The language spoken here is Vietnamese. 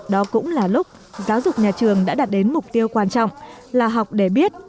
đó cũng là lúc giáo dục nhà trường đã đạt đến mục tiêu quan trọng là học để biết